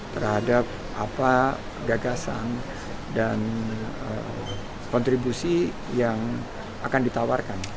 terhadap apa gagasan dan kontribusi yang akan ditawarkan